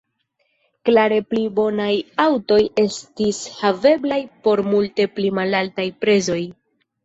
Klare pli bonaj aŭtoj estis haveblaj por multe pli malaltaj prezoj.